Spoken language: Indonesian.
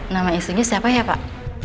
nama istrinya siapa ya pak